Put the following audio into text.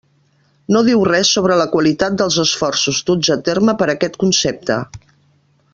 No diu res sobre la qualitat dels esforços duts a terme per aquest concepte.